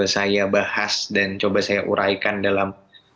saya bahas dan coba saya uraikan dalam